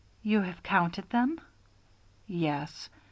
"You have counted them?" "Yes.